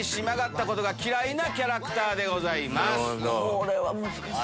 これは難しい。